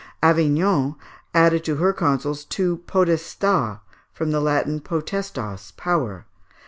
Avignon added to her consuls two podestats (from the Latin potestas, power).